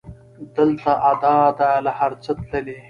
دلته ادا ده له هر څه تللې